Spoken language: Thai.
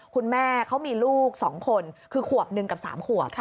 คุณแม่เขามีลูก๒คนคือขวบหนึ่งกับ๓ขวบ